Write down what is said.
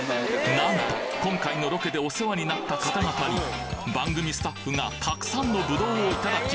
何と今回のロケでお世話になった方々に番組スタッフがたくさんのぶどうを頂き